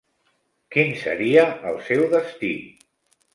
Quin seria el seu destí?